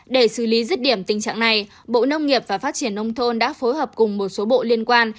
để xử lý rứt điểm tình trạng này bộ nông nghiệp và phát triển nông thôn đã phối hợp cùng một số bộ liên quan